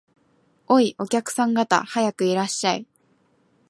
おい、お客さん方、早くいらっしゃい